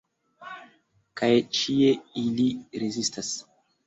Kaj ĉie ili rezistas.